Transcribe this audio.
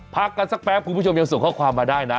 พักกันสักแป๊บคุณผู้ชมยังส่งข้อความมาได้นะ